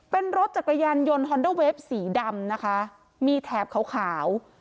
เป็นรถจักรยานยนต์ฮอนเดอร์เวฟสีดำนะคะมีแถบขาวขาว